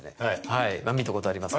はい観たことあります。